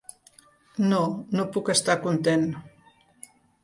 No, no puc estar content.